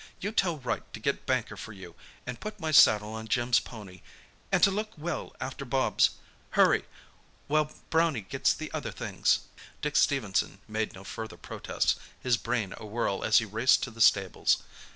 You tell Wright to get Banker for you, and put my saddle on Jim's pony—and to look well after Bobs. Hurry, while Brownie gets the other things!" Dick Stephenson made no further protests, his brain awhirl as he raced to the stables.